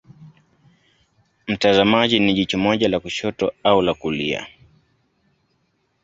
Mtazamaji ni jicho moja la kushoto au la kulia.